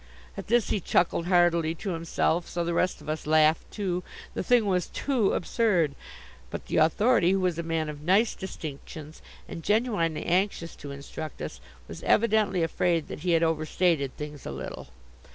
At this he chuckled heartily to himself: so the rest of us laughed too: the thing was too absurd. But the Authority, who was a man of nice distinctions and genuinely anxious to instruct us, was evidently afraid that he had overstated things a little.